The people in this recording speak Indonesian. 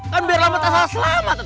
kan biar lama tak salah selama tuh